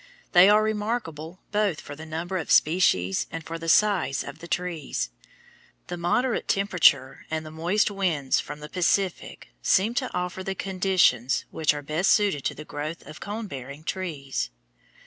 They are remarkable both for the number of species and for the size of the trees. The moderate temperature and the moist winds from the Pacific seem to offer the conditions which are best suited to the growth of cone bearing trees.